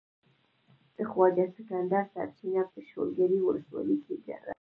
د خواجه سکندر چينه په شولګرې ولسوالۍ کې ده.